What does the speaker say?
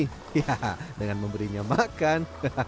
hihaha dengan memberinya makan